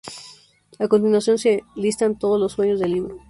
A continuación se listan todos los sueños del libro.